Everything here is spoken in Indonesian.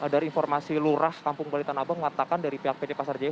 dari informasi lurah kampung balai tanah abang mengatakan dari pihak pd pasar jaya